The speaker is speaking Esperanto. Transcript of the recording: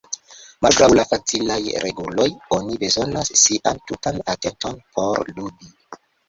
Malgraŭ la facilaj reguloj, oni bezonas sian tutan atenton por ludi.